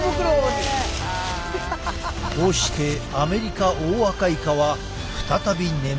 こうしてアメリカオオアカイカは再び眠りについた。